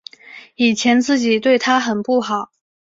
以前自己对她很不好